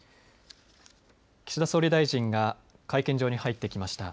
岸田総理大臣が会見場に入ってきました。